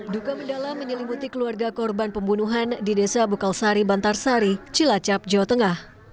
duka mendalam menyelimuti keluarga korban pembunuhan di desa bukalsari bantar sari cilacap jawa tengah